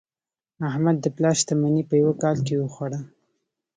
احمد د پلار شتمني په یوه کال کې وخوړه.